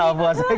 batas puasa gitu